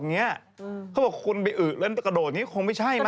เขาบอกว่าคุณไปอึกแล้วมันจะกระโดดคงไม่ใช่มั้ย